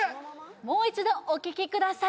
もう一度お聴きください